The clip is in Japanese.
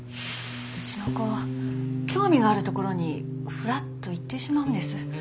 うちの子興味があるところにふらっと行ってしまうんです。